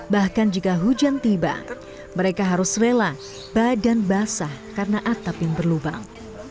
bahkan jika hujan tiba mereka harus rela badan basah karena atap yang berlubang